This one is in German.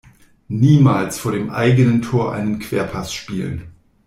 Niemals vor dem eigenen Tor einen Querpass spielen!